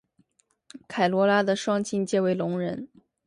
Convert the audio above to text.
凯萝拉的双亲皆为聋人。